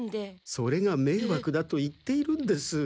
それがめいわくだと言っているんです。